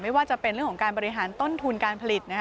ไม่ว่าจะเป็นเรื่องของการบริหารต้นทุนการผลิต